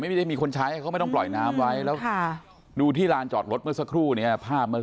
ไม่ได้มีคนใช้เขาไม่ต้องปล่อยน้ำไว้แล้วดูที่ลานจอดรถเมื่อสักครู่เนี่ยภาพเมื่อ